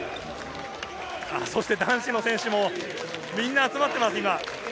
男子の選手もみんな集まっています。